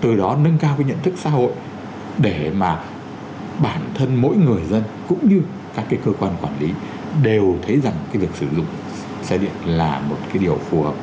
từ đó nâng cao cái nhận thức xã hội để mà bản thân mỗi người dân cũng như các cái cơ quan quản lý đều thấy rằng cái việc sử dụng xe điện là một cái điều phù hợp